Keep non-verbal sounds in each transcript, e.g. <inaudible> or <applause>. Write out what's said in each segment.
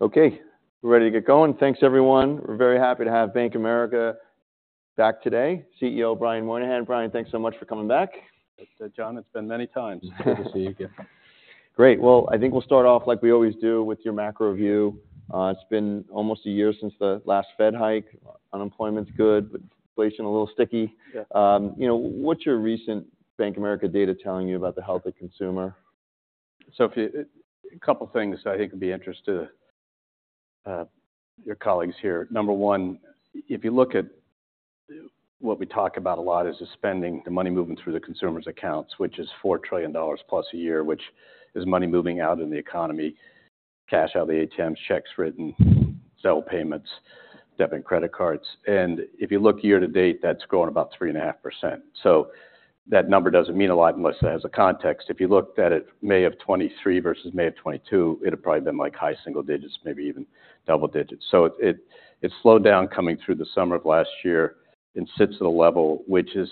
Okay, we're ready to get going. Thanks, everyone. We're very happy to have Bank of America back today, CEO Brian Moynihan. Brian, thanks so much for coming back. John, it's been many times. Good to see you again. Great. Well, I think we'll start off like we always do with your macro view. It's been almost a year since the last Fed hike. Unemployment's good, but inflation, a little sticky. You know, what's your recent Bank of America data telling you about the health of consumer? A couple of things I think would be of interest to your colleagues here. Number one, if you look at what we talk about a lot is the spending, the money moving through the consumers' accounts, which is $4 trillion plus a year, which is money moving out in the economy, cash out of the ATMs, checks written, cell payments, debit and credit cards. And if you look year to date, that's grown about 3.5%. So that number doesn't mean a lot unless it has a context. If you looked at it May 2023 versus May 2022, it'd probably been like high single digits, maybe even double digits. So it, it slowed down coming through the summer of last year and sits at a level which is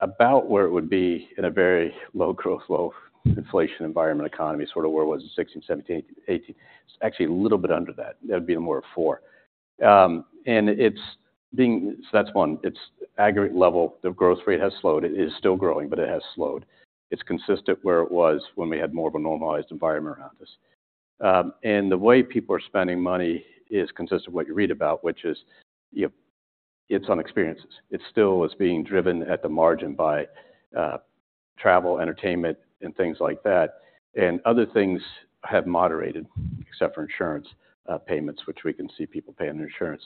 about where it would be in a very low growth, low inflation environment, economy, sort of where it was in 2016, 2017, 2018. It's actually a little bit under that. That'd be more of four. So that's one. It's aggregate level. The growth rate has slowed. It is still growing, but it has slowed. It's consistent where it was when we had more of a normalized environment around us. And the way people are spending money is consistent with what you read about, which is, you know, it's on experiences. It still is being driven at the margin by travel, entertainment, and things like that. And other things have moderated, except for insurance payments, which we can see people paying their insurance.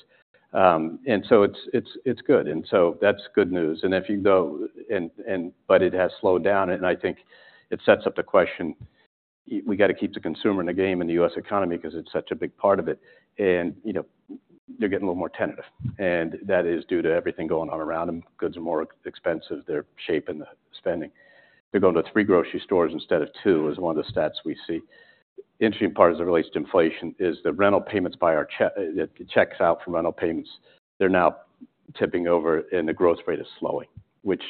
And so it's good. And so that's good news. But it has slowed down, and I think it sets up the question. We got to keep the consumer in the game in the U.S. economy because it's such a big part of it. You know, they're getting a little more tentative, and that is due to everything going on around them. Goods are more expensive. They're shaping the spending. They're going to three grocery stores instead of two is one of the stats we see. Interesting part as it relates to inflation is the rental payments by our checking, the checks for rental payments. They're now tipping over, and the growth rate is slowing, which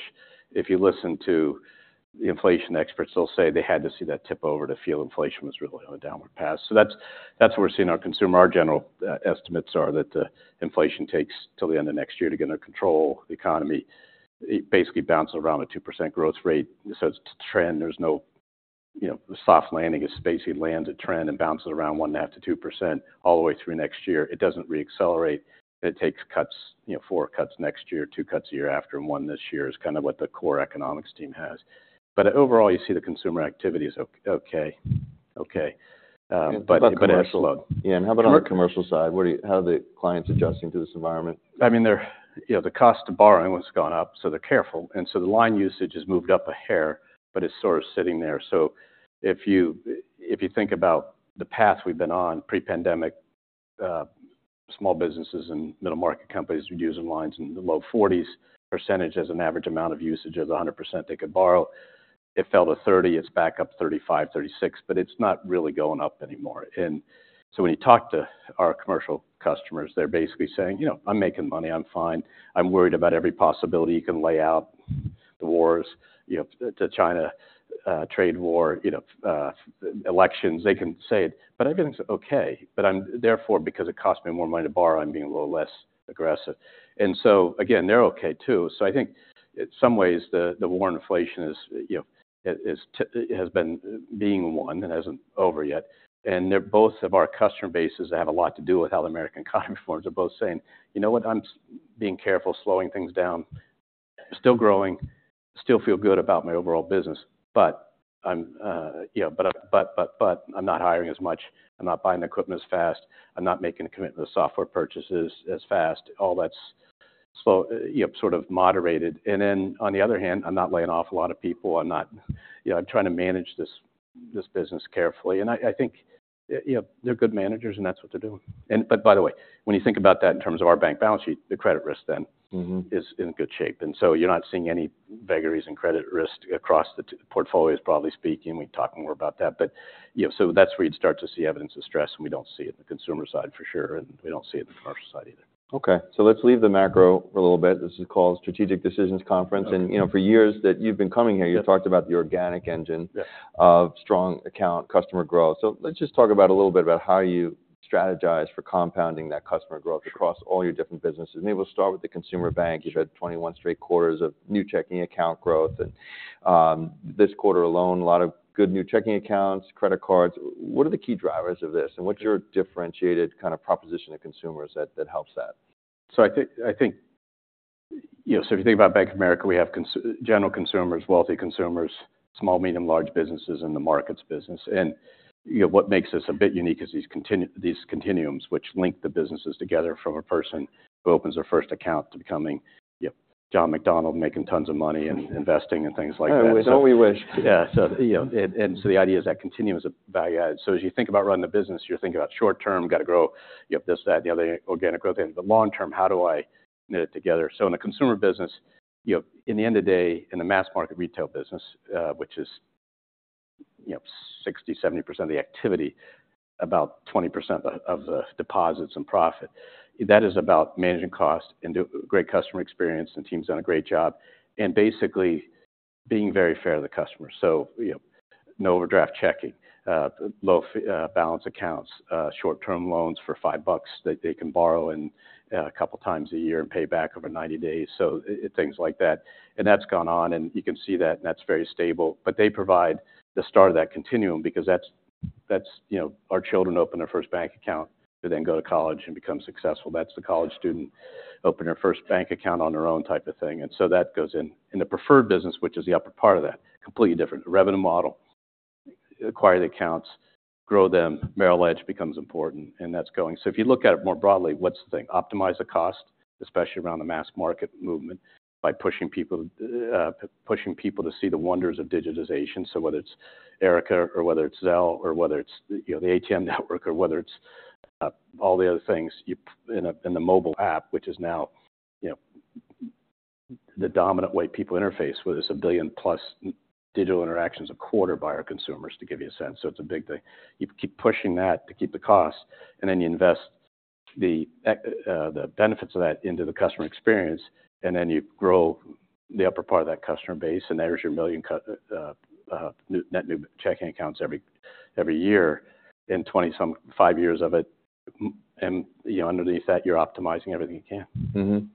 if you listen to the inflation experts, they'll say they had to see that tip over to feel inflation was really on a downward path. So that's where we're seeing our consumer. Our general estimates are that the inflation takes till the end of next year to get under control of the economy. It basically bounces around a 2% growth rate. So it's a trend, there's no, you know, the soft landing, a hard landing, a trend, and bounces around 1.5%-2% all the way through next year. It doesn't reaccelerate. It takes cuts, you know, four cuts next year, two cuts a year after, and one this year is kind of what the core economics team has. But overall, you see the consumer activity is okay. Okay. How about the commercial side? Yeah, and how about on the commercial side? What do you How are the clients adjusting to this environment? I mean, they're... You know, the cost of borrowing has gone up, so they're careful, and so the line usage has moved up a hair, but it's sort of sitting there. So if you think about the path we've been on pre-pandemic, small businesses and middle-market companies were using lines in the low 40s% as an average amount of usage of the 100% they could borrow. It fell to 30, it's back up 35, 36, but it's not really going up anymore. And so when you talk to our commercial customers, they're basically saying: "You know, I'm making money, I'm fine. I'm worried about every possibility you can lay out, the wars, you know, the China trade war, you know, elections." They can say it, "But everything's okay. But I'm therefore, because it costs me more money to borrow, I'm being a little less aggressive." And so, again, they're okay, too. So I think in some ways, the war on inflation is, you know, is has been being won and hasn't over yet. And both of our customer bases have a lot to do with how the American economy forms. They're both saying: "You know what? I'm being careful, slowing things down, still growing, still feel good about my overall business, but I'm, you know, but I'm not hiring as much, I'm not buying equipment as fast, I'm not making a commitment to software purchases as fast. All that's slow, you know, sort of moderated. And then, on the other hand, I'm not laying off a lot of people. I'm not-- You know, I'm trying to manage this, this business carefully." I, I think, you know, they're good managers, and that's what they're doing. But by the way, when you think about that in terms of our bank balance sheet, the credit risk then is in good shape. So you're not seeing any vagaries in credit risk across the portfolios, broadly speaking. We can talk more about that. You know, so that's where you'd start to see evidence of stress, and we don't see it in the consumer side for sure, and we don't see it in the commercial side either. Okay, so let's leave the macro for a little bit. This is called Strategic Decisions Conference. Okay. You know, for years that you've been coming here. You've talked about the organic engine - yes - of strong account customer growth. So let's just talk about a little bit about how you strategize for compounding that customer growth across all your different businesses. Maybe we'll start with the consumer bank. You've had 21 straight quarters of new checking account growth, and this quarter alone, a lot of good new checking accounts, credit cards. What are the key drivers of this, and what's your differentiated kind of proposition to consumers that helps that? So I think, you know, so if you think about Bank of America, we have general consumers, wealthy consumers, small, medium, large businesses, and the Markets business. And, you know, what makes us a bit unique is these continuums, which link the businesses together from a person who opens their first account to becoming, you know, John McDonald, making tons of money and investing and things like that. I always only wish. Yeah. So, you know, and, and so the idea is that continuum is a value add. So as you think about running the business, you're thinking about short term, got to grow, you have this, that, and the other, organic growth. In the long term, how do I knit it together? So in the consumer business, you know, in the end of the day, in the mass market retail business, which is, you know, 60%-70% of the activity, about 20% of the deposits and profit, that is about managing costs and the great customer experience, and team's done a great job. And basically being very fair to the customer. So, you know, no overdraft checking, low balance accounts, short-term loans for $5 that they can borrow a couple times a year and pay back over 90 days. So things like that. And that's gone on, and you can see that, and that's very stable. But they provide the start of that continuum because that's, that's, you know, our children open their first bank account to then go to college and become successful. That's the college student, open their first bank account on their own type of thing. And so that goes in. In the preferred business, which is the upper part of that, completely different revenue model, acquire the accounts, grow them, Merrill Edge becomes important, and that's going. So if you look at it more broadly, what's the thing? Optimize the cost, especially around the mass market movement, by pushing people to see the wonders of digitization. So whether it's Erica or whether it's Zelle or whether it's, you know, the ATM network or whether it's all the other things in the mobile app, which is now, you know, the dominant way people interface, whether it's 1 billion-plus digital interactions a quarter by our consumers, to give you a sense. So it's a big thing. You keep pushing that to keep the cost, and then you invest the benefits of that into the customer experience, and then you grow the upper part of that customer base, and there's your million net new checking accounts every year in 25 years of it. And you know, underneath that, you're optimizing everything you can.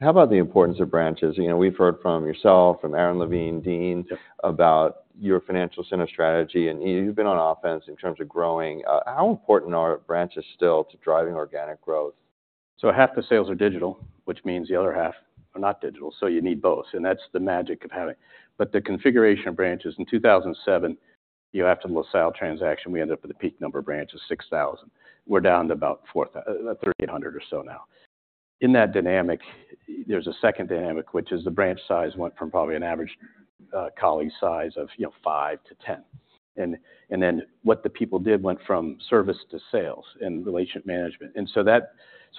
How about the importance of branches? You know, we've heard from yourself, from Aron Levine, Dean about your financial center strategy, and you've been on offense in terms of growing. How important are branches still to driving organic growth? So half the sales are digital, which means the other half are not digital, so you need both, and that's the magic of having. But the configuration of branches in 2007, you know, after the LaSalle transaction, we ended up with a peak number of branches, 6,000. We're down to about 4,300 or so now. In that dynamic, there's a second dynamic, which is the branch size went from probably an average colleague size of, you know, five to 10. And then what the people did went from service to sales and relationship management. And so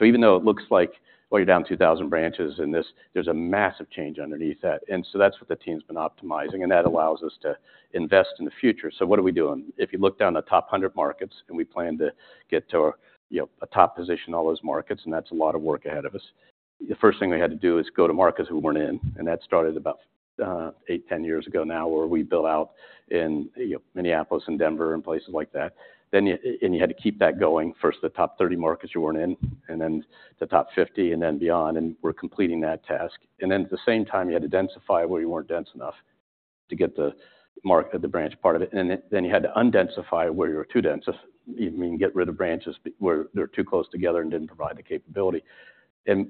even though it looks like, well, you're down 2,000 branches and this, there's a massive change underneath that. And so that's what the team's been optimizing, and that allows us to invest in the future. So what are we doing? If you look down the top 100 markets, and we plan to get to, you know, a top position in all those markets, and that's a lot of work ahead of us. The first thing we had to do is go to markets we weren't in, and that started about eight-10 years ago now, where we built out in, you know, Minneapolis and Denver and places like that. Then you had to keep that going. First, the top 30 markets you weren't in, and then the top 50, and then beyond, and we're completing that task. And then at the same time, you had to densify where you weren't dense enough to get the mark, the branch part of it. And then you had to undensify where you were too dense. You mean, get rid of branches where they're too close together and didn't provide the capability, and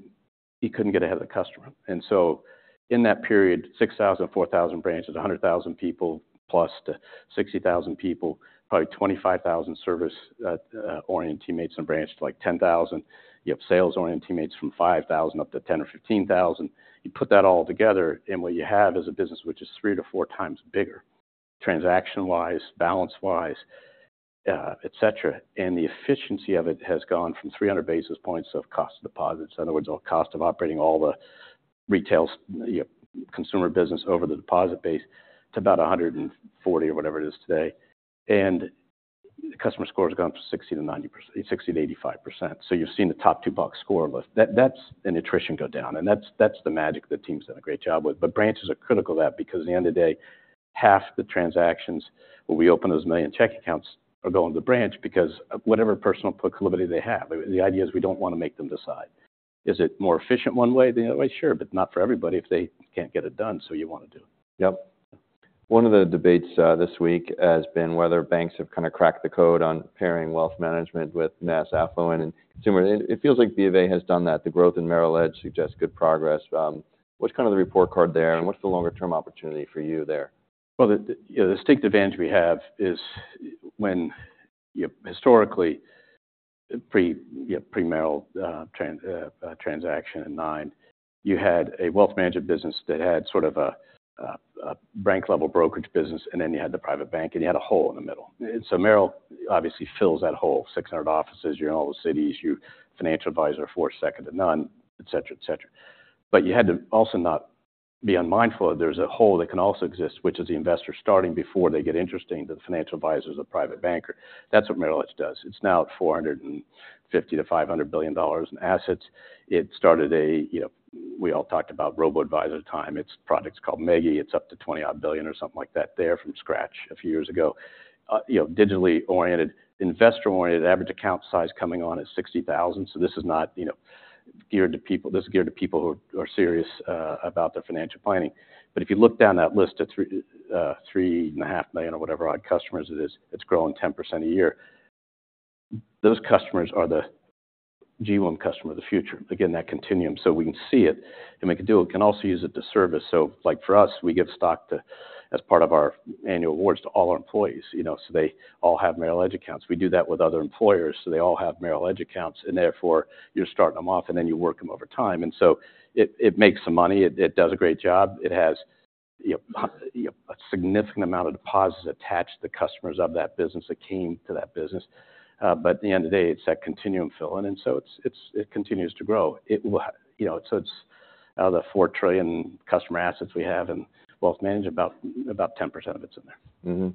you couldn't get ahead of the customer. And so in that period, 6,000, 4,000 branches, 100,000 people, plus to 60,000 people, probably 25,000 service-oriented teammates and branches to, like, 10,000. You have sales-oriented teammates from 5,000 up to 10 or 15,000. You put that all together, and what you have is a business which is three-four times bigger, transaction-wise, balance-wise, et cetera. And the efficiency of it has gone from 300 basis points of cost deposits. In other words, all cost of operating all the retails, you know, consumer business over the deposit base to about 140 or whatever it is today. The customer score has gone from 60% to 90%—60% to 85%. So you've seen the top two box score list. That, that's an attrition go down, and that's, that's the magic the team's done a great job with. But branches are critical to that because at the end of the day, half the transactions, where we open those 1 million checking accounts, are going to the branch because of whatever personal proclivity they have. The idea is we don't want to make them decide. Is it more efficient one way or the other way? Sure, but not for everybody if they can't get it done, so you want to do it. Yep. One of the debates this week has been whether banks have kind of cracked the code on pairing wealth management with mass affluent and consumer. It, it feels like BofA has done that. The growth in Merrill Edge suggests good progress. What's kind of the report card there, and what's the longer-term opportunity for you there? Well, the you know, the distinct advantage we have is when, you know, historically, pre-Merrill transaction in 2009, you had a wealth management business that had sort of a bank-level brokerage business, and then you had the private bank, and you had a hole in the middle. So Merrill obviously fills that hole. 600 offices, you're in all the cities, you financial advisors second to none, et cetera, et cetera. But you had to also not be unmindful that there's a hole that can also exist, which is the investor starting before they get interesting to the financial advisors or private banker. That's what Merrill Edge does. It's now at $450 billion-$500 billion in assets. It started a, you know, we all talked about robo-advisor time. Its product's called MGI. It's up to $20-odd billion or something like that there from scratch a few years ago. You know, digitally oriented, investor-oriented, average account size coming on at $60,000, so this is not, you know, geared to people- this is geared to people who are serious about their financial planning. But if you look down that list of 3.5 million or whatever, our customers it is, it's growing 10% a year. Those customers are the G1 customer of the future. Again, that continuum, so we can see it, and we can do it. We can also use it to service. So like for us, we give stock to, as part of our annual awards to all our employees, you know, so they all have Merrill Edge accounts. We do that with other employers, so they all have Merrill Edge accounts, and therefore, you're starting them off, and then you work them over time, and so it, it makes some money. It, it does a great job. It has, you know, you know, a significant amount of deposits attached to the customers of that business, that came to that business. But at the end of the day, it's that continuum filling, and so it's, it's it continues to grow. It you know, so it's out of the $4 trillion customer assets we have in Wealth Management, about, about 10% of it's in there.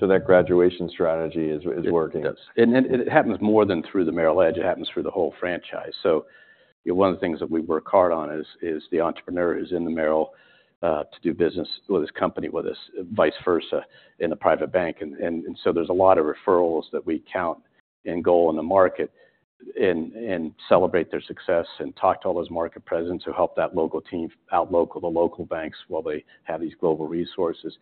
So that graduation strategy is, is working? It does. Then it happens more than through the Merrill Edge, it happens through the whole franchise. One of the things that we work hard on is the entrepreneur who's in the Merrill to do business with his company with us, vice versa, in the private bank. So there's a lot of referrals that we count in goal in the market, and celebrate their success, and talk to all those market presidents who help that local team outlocal the local banks while they have these global resources.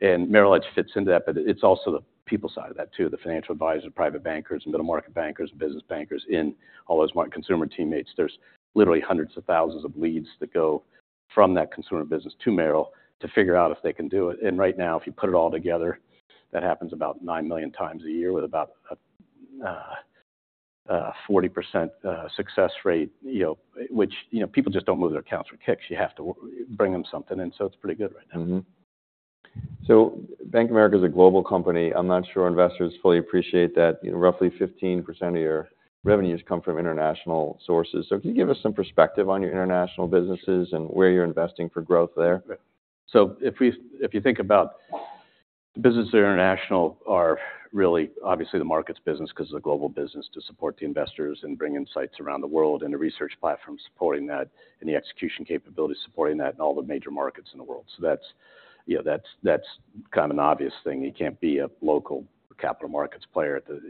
Merrill Edge fits into that, but it's also the people side of that, too. The financial advisors, private bankers, middle-market bankers, business bankers, in all those market consumer teammates. There's literally hundreds of thousands of leads that go from that consumer business to Merrill to figure out if they can do it. Right now, if you put it all together, that happens about 9 million times a year with about 40% success rate, you know, which, you know, people just don't move their accounts for kicks. You have to bring them something, and so it's pretty good right now. So Bank of America is a global company. I'm not sure investors fully appreciate that, you know, roughly 15% of your revenues come from international sources. So can you give us some perspective on your international businesses and where you're investing for growth there? So if you think about businesses that are international are really obviously the markets business, because it's a global business to support the investors and bring insights around the world, and the research platform supporting that, and the execution capability supporting that in all the major markets in the world. So that's, you know, kind of an obvious thing. You can't be a local capital markets player at that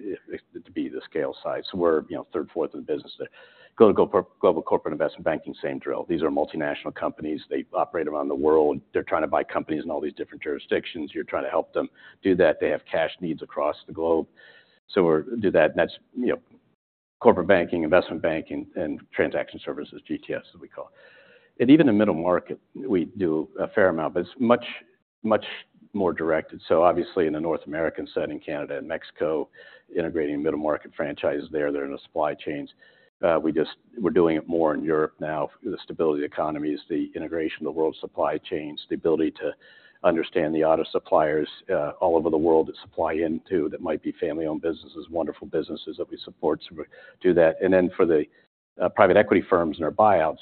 scale size. So we're, you know, third, fourth in the business there. Go to Global Corporate Investment Banking, same drill. These are multinational companies. They operate around the world. They're trying to buy companies in all these different jurisdictions. You're trying to help them do that. They have cash needs across the globe. So we do that, and that's, you know, corporate banking, investment banking, and transaction services, GTS, as we call it. Even in middle-market, we do a fair amount, but it's much, much more directed. So obviously, in the North American set, in Canada and Mexico, integrating middle-market franchises there, they're in the supply chains. We just- we're doing it more in Europe now, the stability of the economies, the integration of the world's supply chains, the ability to understand the auto suppliers, all over the world that supply into, that might be family-owned businesses, wonderful businesses that we support. So we do that. And then for the private equity firms and our buyouts,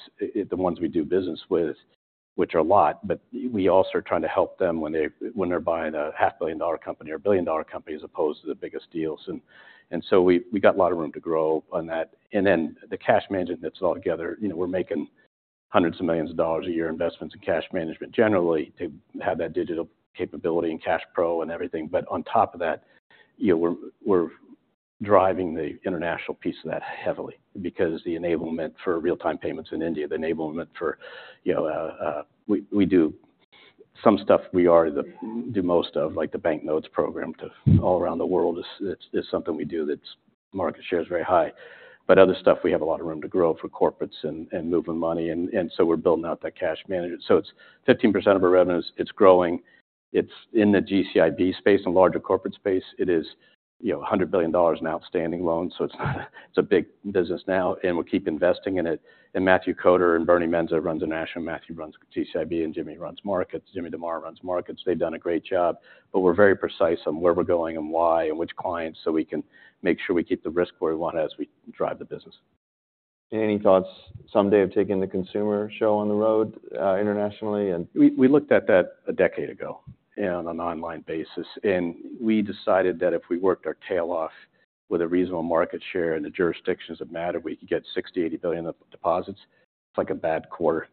the ones we do business with, which are a lot, but we also are trying to help them when they- when they're buying a $500 million company or a $1 billion company, as opposed to the biggest deals. And so we got a lot of room to grow on that. Then the cash management, it's all together. You know, we're making hundreds of millions of dollars a year, investments in cash management, generally, to have that digital capability and CashPro and everything. But on top of that, you know, we're driving the international piece of that heavily because the enablement for real-time payments in India, the enablement for, you know, we do some stuff we already do most of, like the Banknotes program to all around the world. It's something we do that's market share is very high. But other stuff, we have a lot of room to grow for corporates and moving money, and so we're building out that cash management. So it's 15% of our revenues. It's growing. It's in the GCIB space and larger corporate space. It is, you know, $100 billion in outstanding loans, so it's not a- it's a big business now, and we'll keep investing in it. Matthew Koder and Bernie Mensah runs International. Matthew runs GCIB, and Jim DeMare runs markets. Jim DeMare runs markets. They've done a great job, but we're very precise on where we're going and why, and which clients, so we can make sure we keep the risk where we want it as we drive the business. Any thoughts someday of taking the consumer show on the road internationally and- We looked at that a decade ago on an online basis, and we decided that if we worked our tail off with a reasonable market share in the jurisdictions that matter, we could get $60 billion-$80 billion of deposits. It's like a bad quarter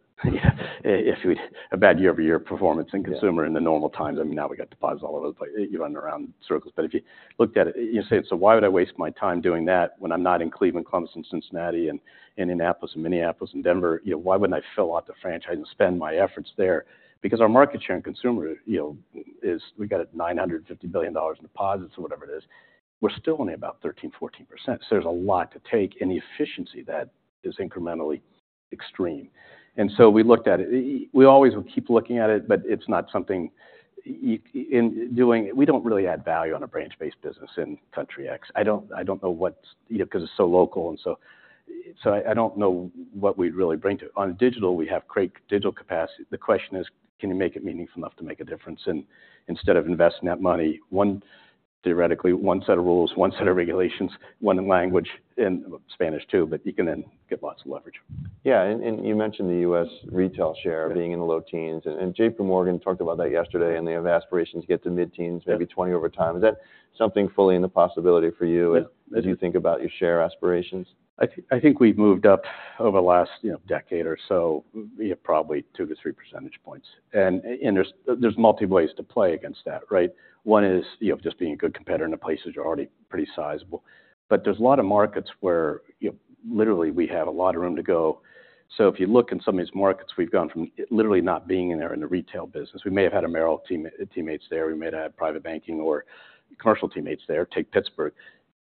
if we—a bad year-over-year performance in consumer in the normal times. I mean, now we got deposits all over the place. You run around in circles. But if you looked at it, you say, "So why would I waste my time doing that when I'm not in Cleveland, Columbus, and Cincinnati, and Indianapolis, and Minneapolis, and Denver? You know, why wouldn't I fill out the franchise and spend my efforts there?" Because our market share and consumer, you know, is we got $950 billion in deposits or whatever it is. We're still only about 13%-14%. So there's a lot to take, and the efficiency that is incrementally extreme. So we looked at it. We always will keep looking at it, but it's not something... We don't really add value on a branch-based business in country X. I don't know what, you know, because it's so local and so I don't know what we'd really bring to it. On digital, we have great digital capacity. The question is, can you make it meaningful enough to make a difference? And instead of investing that money, theoretically, one set of rules, one set of regulations, one language, in Spanish, too, but you can then get lots of leverage. Yeah, and, and you mentioned the U.S. retail share being in the low teens, and JPMorgan talked about that yesterday, and they have aspirations to get to mid-teens maybe 20 over time. Is that something fully in the possibility for you as you think about your share aspirations? I think we've moved up over the last, you know, decade or so, probably 2-3 percentage points. And there's multiple ways to play against that, right? One is, you know, just being a good competitor in the places you're already pretty sizable. But there's a lot of markets where, you know, literally we have a lot of room to go. So if you look in some of these markets, we've gone from literally not being in there in the retail business. We may have had a Merrill team teammates there. We may have had private banking or commercial teammates there. Take Pittsburgh,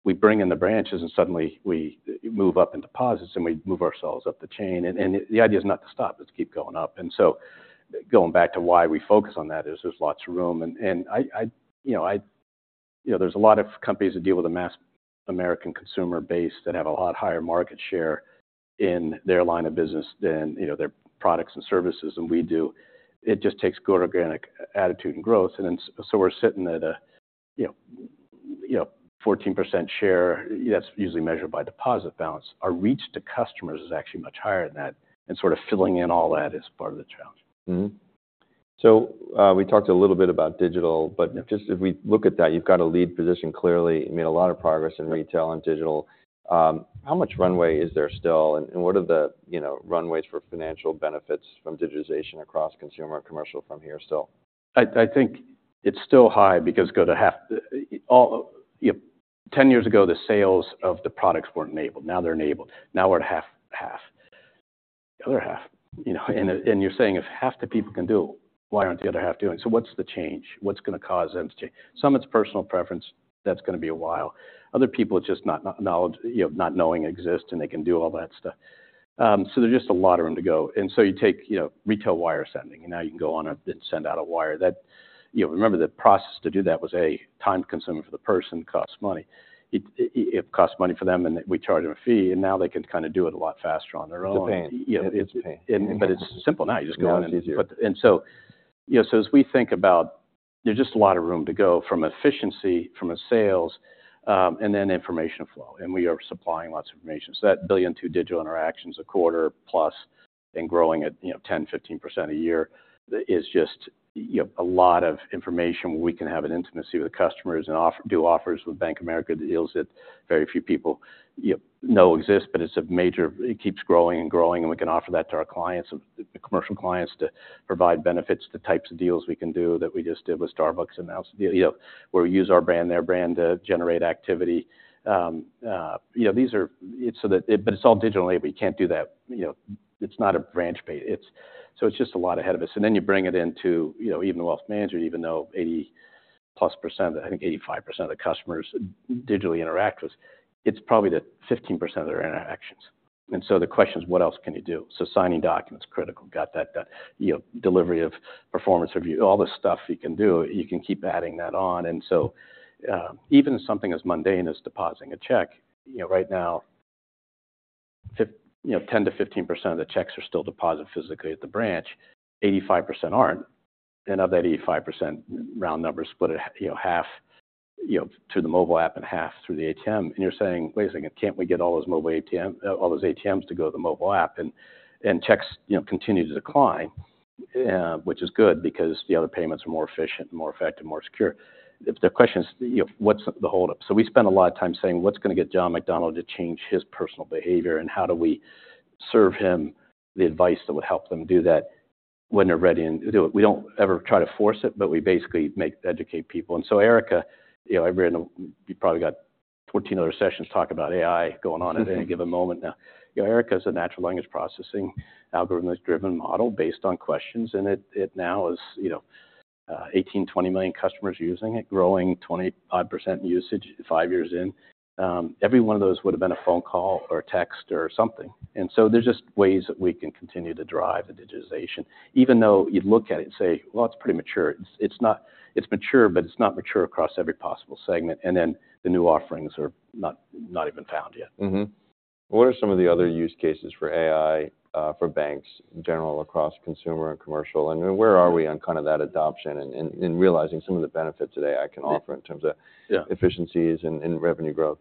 we bring in the branches, and suddenly we move up in deposits, and we move ourselves up the chain, and the idea is not to stop, it's to keep going up. So going back to why we focus on that is there's lots of room, and I, you know, there's a lot of companies that deal with the mass American consumer base that have a lot higher market share in their line of business than, you know, their products and services than we do. It just takes good organic attitude and growth, and then so we're sitting at a, you know, 14% share, that's usually measured by deposit balance. Our reach to customers is actually much higher than that, and sort of filling in all that is part of the challenge. So, we talked a little bit about digital, but just if we look at that, you've got a lead position, clearly. You made a lot of progress in retail and digital. How much runway is there still, and, and what are the, you know, runways for financial benefits from digitization across consumer and commercial from here still? I think it's still high because go back half, all the way, ten years ago, the sales of the products weren't enabled. Now they're enabled. Now we're at half, half. The other half, you know, and you're saying if half the people can do, why aren't the other half doing? So what's the change? What's gonna cause them to change? Some, it's personal preference. That's gonna be a while. Other people, it's just not knowledge, you know, not knowing it exists, and they can do all that stuff. So there's just a lot of room to go. And so you take, you know, retail wire sending, and now you can go on and send out a wire. That, you know, remember, the process to do that was a time-consuming for the person, costs money. It costs money for them, and we charge them a fee, and now they can kinda do it a lot faster on their own. <audio distortion> But it's simple now. You just go in <audio distortion> it's easier. And so, you know, so as we think about, there's just a lot of room to go from efficiency, from a sales, and then information flow, and we are supplying lots of information. So that 1 billion digital interactions a quarter plus, and growing at, you know, 10, 15% a year, is just, you know, a lot of information where we can have an intimacy with the customers and offer offers with Bank of America, deals that very few people, you know, exist, but it's a major, it keeps growing and growing, and we can offer that to our clients, the commercial clients, to provide benefits, the types of deals we can do that we just did with Starbucks and else. You know, where we use our brand, their brand, to generate activity. You know, but it's all digital now, but you can't do that, you know, it's not a branch-based. So it's just a lot ahead of us. And then you bring it into, you know, even wealth management, even though 80%+, I think 85% of the customers digitally interact with us, it's probably the 15% of their interactions. And so the question is, what else can you do? So signing documents, critical. Got that done. You know, delivery of performance review, all the stuff you can do, you can keep adding that on. And so, even something as mundane as depositing a check, you know, right now, 10%-15% of the checks are still deposited physically at the branch, 85% aren't. Of that 85%, round numbers, split it, you know, half, you know, through the mobile app and half through the ATM. And you're saying: Wait a second, can't we get all those ATMs to go to the mobile app? And checks, you know, continue to decline, which is good because the other payments are more efficient, more effective, more secure. The question is, you know, what's the holdup? So we spend a lot of time saying, what's gonna get John McDonald to change his personal behavior, and how do we serve him the advice that would help them do that when they're ready and do it? We don't ever try to force it, but we basically make educate people. Erica, you know, I've written—you probably got 14 other sessions talking about AI going on at any given moment now. You know, Erica is a natural language processing, algorithm-driven model based on questions, and it, it now is, you know, 18-20 million customers using it, growing 25% usage five years in. Every one of those would have been a phone call or text or something. And so there's just ways that we can continue to drive the digitization. Even though you'd look at it and say, "Well, that's pretty mature," it's, it's not. It's mature, but it's not mature across every possible segment, and then the new offerings are not, not even found yet. What are some of the other use cases for AI, for banks in general, across consumer and commercial? And where are we on kind of that adoption and realizing some of the benefits that AI can offer in terms of efficiencies and revenue growth?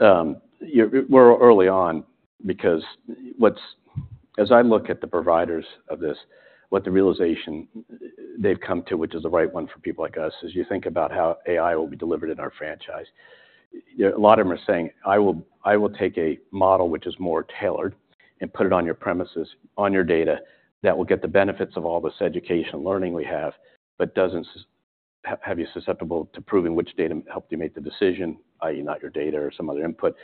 We're early on because what's as I look at the providers of this, what the realization they've come to, which is the right one for people like us, is you think about how AI will be delivered in our franchise. A lot of them are saying: I will, I will take a model which is more tailored and put it on your premises, on your data, that will get the benefits of all this education and learning we have, but doesn't have you susceptible to proving which data helped you make the decision, i.e., not your data or some other input,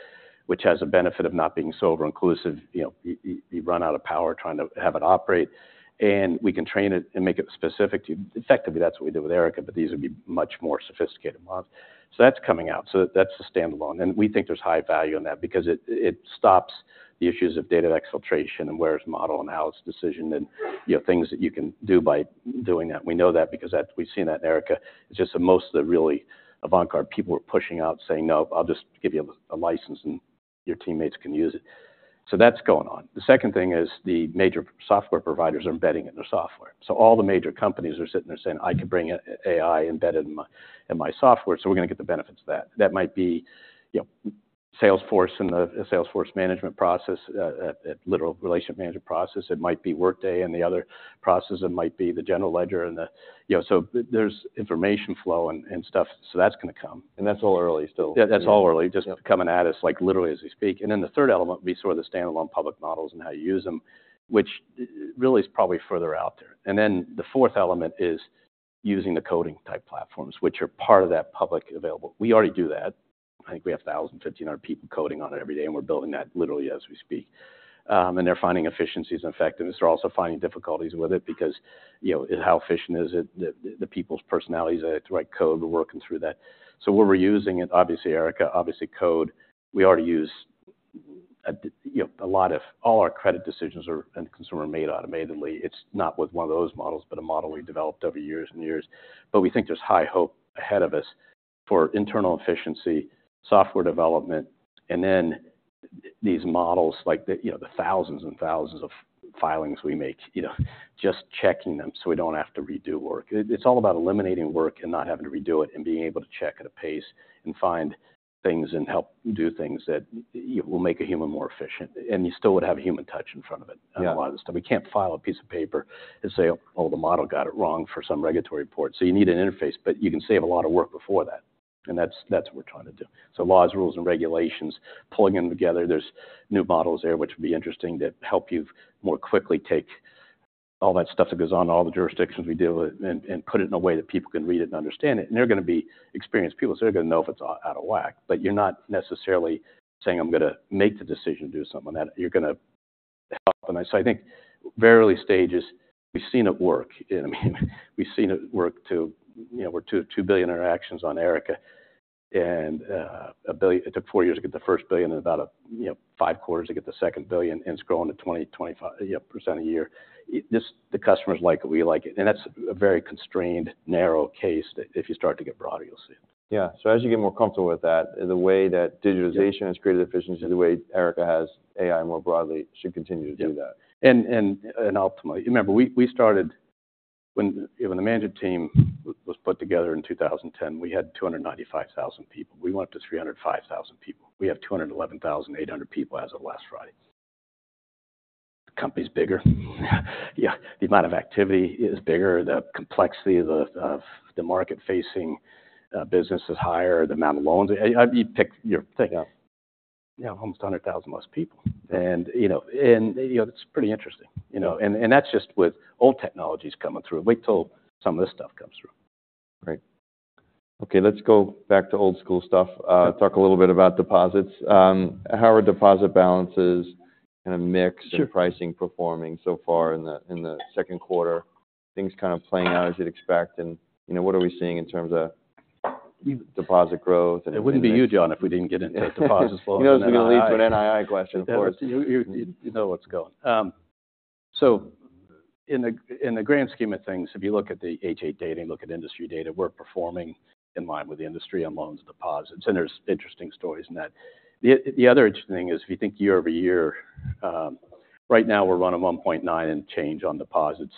which has a benefit of not being so over-inclusive. You know, you run out of power trying to have it operate, and we can train it and make it specific to you. Effectively, that's what we did with Erica, but these would be much more sophisticated models. So that's coming out. So that's the standalone, and we think there's high value in that because it stops the issues of data exfiltration and where's model and how's decision, and, you know, things that you can do by doing that. We know that because we've seen that in Erica. It's just that most of the really avant-garde people are pushing out, saying: No, I'll just give you a license, and your teammates can use it. So that's going on. The second thing is the major software providers are embedding in their software. So all the major companies are sitting there saying: I could bring AI embedded in my software, so we're gonna get the benefits of that. That might be, you know, Salesforce and the Salesforce client relationship management process. It might be Workday and the other process. It might be the general ledger and the... You know, so there's information flow and, and stuff, so that's gonna come. That's all early still? Yeah, that's all early. Just coming at us, like, literally as we speak. And then the third element would be sort of the standalone public models and how you use them, which really is probably further out there. And then the fourth element is using the coding-type platforms, which are part of that publicly available. We already do that. I think we have 1,000-1,500 people coding on it every day, and we're building that literally as we speak. And they're finding efficiencies and effectiveness. They're also finding difficulties with it because, you know, how efficient is it? The people's personalities, they have to write code. We're working through that. So we're using it, obviously, Erica, obviously, code. We already use, you know, a lot of—all our credit decisions are, and consumer, made automatically. It's not with one of those models, but a model we developed over years and years. But we think there's high hope ahead of us for internal efficiency, software development, and then these models like the, you know, the thousands and thousands of filings we make, you know, just checking them so we don't have to redo work. It's all about eliminating work and not having to redo it, and being able to check at a pace and find things and help do things that will make a human more efficient. And you still would have a human touch in front of it. On a lot of this stuff. We can't file a piece of paper and say, "Oh, the model got it wrong for some regulatory report." So you need an interface, but you can save a lot of work before that, and that's what we're trying to do. So laws, rules, and regulations, pulling them together, there's new models there, which would be interesting, to help you more quickly take all that stuff that goes on, all the jurisdictions we deal with, and put it in a way that people can read it and understand it. And they're gonna be experienced people, so they're gonna know if it's out of whack. But you're not necessarily saying, "I'm gonna make the decision to do something," that you're gonna help. And so I think very early stages, we've seen it work. I mean, we've seen it work, too, you know, we're at 2.2 billion interactions on Erica, and a billion—it took four years to get the first billion and about, you know, five quarters to get the second billion, and it's growing 20%-25%, yeah, a year. It just—the customers like it, we like it. And that's a very constrained, narrow case. If you start to get broader, you'll see it. Yeah. So as you get more comfortable with that, the way that digitization has created efficiency, the way Erica has, AI more broadly should continue to do that. Yeah. And ultimately... Remember, we started when, you know, when the management team was put together in 2010, we had 295,000 people. We went up to 305,000 people. We have 211,800 people as of last Friday. Company's bigger. Yeah, the amount of activity is bigger. The complexity of the market-facing business is higher, the amount of loans. You pick your thing up. You know, almost 100,000 plus people. You know, it's pretty interesting, you know. And that's just with old technologies coming through. Wait till some of this stuff comes through. Right. Okay, let's go back to old school stuff. Talk a little bit about deposits. How are deposit balances in a mix and pricing performing so far in the second quarter? Things kind of playing out as you'd expect? And, you know, what are we seeing in terms of deposit growth and-It wouldn't be you, John, if we didn't get into deposits flow. You know it's gonna lead to an NII question, of course. You know what's going. So in the grand scheme of things, if you look at the H.8 data and look at industry data, we're performing in line with the industry on loans and deposits, and there's interesting stories in that. The other interesting thing is, if you think year-over-year, right now, we're running 1.9 and change on deposits.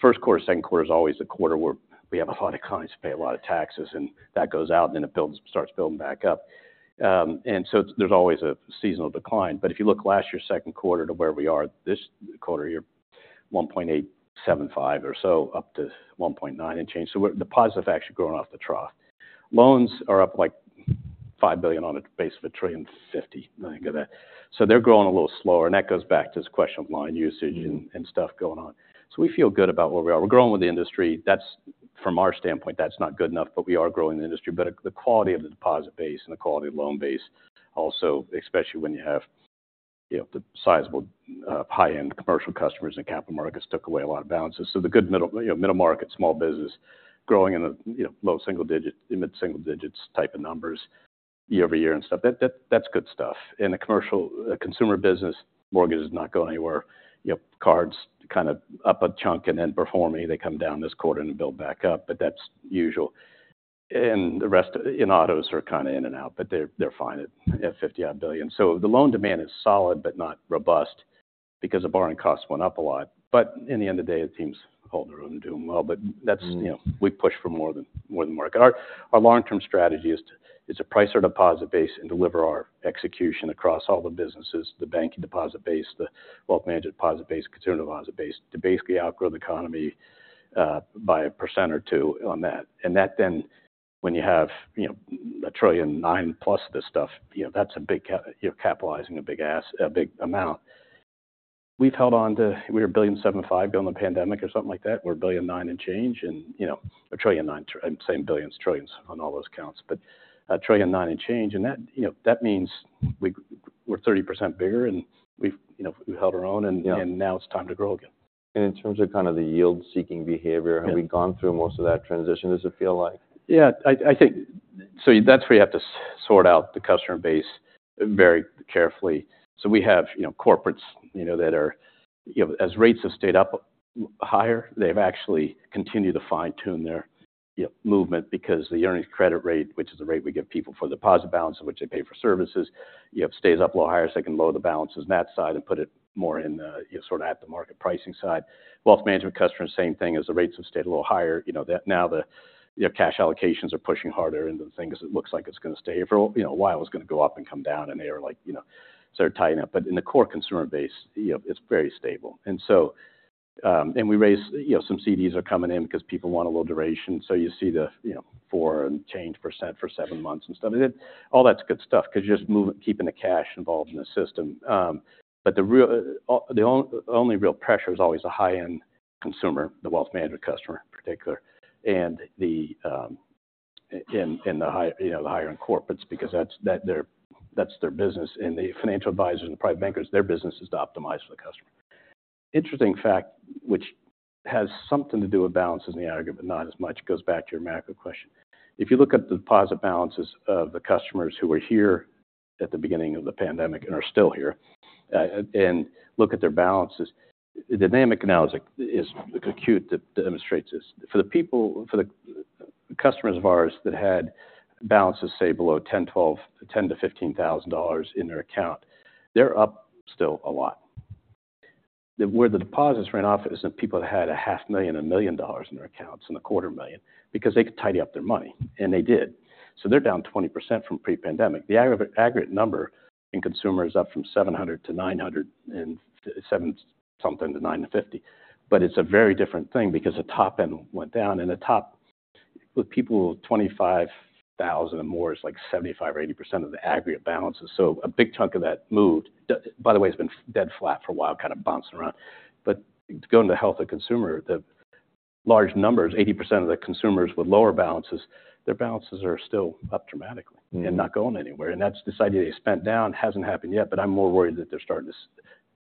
First quarter, second quarter is always a quarter where we have a lot of clients pay a lot of taxes, and that goes out, then it builds, starts building back up. And so there's always a seasonal decline. But if you look last year, second quarter to where we are this quarter here, 1.875 or so, up to 1.9 and change. So, deposits have actually grown off the trough. Loans are up, like, $5 billion on a base of $1.05 trillion, I think of that. So they're growing a little slower, and that goes back to this question of line usage-Mm-hmm... and stuff going on. So we feel good about where we are. We're growing with the industry. That's—from our standpoint, that's not good enough, but we are growing the industry. But the quality of the deposit base and the quality of loan base also, especially when you have, you know, the sizable, high-end commercial customers and capital markets, took away a lot of balances. So the good middle, you know, middle market, small business, growing in a, you know, low single digit, mid single digits type of numbers year-over-year and stuff, that, that's good stuff. In the commercial, consumer business, mortgage is not going anywhere. You have cards kind of up a chunk and then performing. They come down this quarter and then build back up, but that's usual. The rest, in autos are kind of in and out, but they're fine at $50-odd billion. So the loan demand is solid but not robust because the borrowing costs went up a lot. But in the end of day, it seems to hold their own and doing well. But that's. You know, we push for more than, more than market. Our, our long-term strategy is to, is to price our deposit base and deliver our execution across all the businesses, the banking deposit base, the wealth management deposit base, consumer deposit base, to basically outgrow the economy by 1%-2% on that. And that then, when you have, you know, $1.9 trillion plus this stuff, you know, that's a big c- you're capitalizing a big ass- a big amount. We've held on to... We're $1.75 billion during the pandemic or something like that. We're $1.9 billion and change, and, you know, $1.9 trillion. I'm saying billions, trillions on all those counts, but $1.9 trillion and change, and that, you know, that means we- we're 30% bigger, and we've, you know, we've held our own and now it's time to grow again. In terms of kind of the yield-seeking behavior have we gone through most of that transition, does it feel like? Yeah, I think... So that's where you have to sort out the customer base very carefully. So we have, you know, corporates, you know, that are, you know, as rates have stayed up higher, they've actually continued to fine-tune their, yeah, movement because the earnings credit rate, which is the rate we give people for deposit balance, of which they pay for services, you have stays up a little higher, so they can lower the balances on that side and put it more in the, you know, sort of at the market pricing side. Wealth management customers, same thing. As the rates have stayed a little higher, you know, the, now the, you know, cash allocations are pushing harder into the thing 'cause it looks like it's gonna stay here for, you know, a while. It's gonna go up and come down, and they are like, you know, sort of tightening up. But in the core consumer base, you know, it's very stable. And so, and we raised, you know, some CDs are coming in because people want a little duration. So you see the, you know, 4% and change for seven months and stuff. And all that's good stuff because you're just keeping the cash involved in the system. But the real, the only real pressure is always the high-end consumer, the wealth management customer in particular, and the, and the high, you know, the higher-end corporates, because that's their business. And the financial advisors and private bankers, their business is to optimize for the customer. Interesting fact, which has something to do with balances in the aggregate, but not as much, goes back to your macro question. If you look at the deposit balances of the customers who were here at the beginning of the pandemic and are still here, and look at their balances, the dynamic analysis is acute that demonstrates this. For the people, customers of ours that had balances, say below 10, 12, 10-15 thousand dollars in their account, they're up still a lot. The, where the deposits ran off is that people that had a half million, a million dollars in their accounts and a quarter million, because they could tidy up their money, and they did. So they're down 20% from pre-pandemic. The aggregate number in consumer is up from 700 to 900 and seven something to 900 and 50. But it's a very different thing because the top end went down, and the top, with people 25,000 and more, is like 75% or 80% of the aggregate balances. So a big chunk of that moved. By the way, it's been dead flat for a while, kind of bouncing around. But going to the health of consumer, the large numbers, 80% of the consumers with lower balances, their balances are still up dramatically and not going anywhere. And that's this idea they spent down hasn't happened yet, but I'm more worried that they're starting to